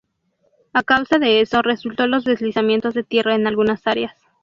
A causa de eso, resultó los deslizamientos de tierra en algunas áreas.